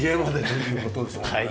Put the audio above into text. はい。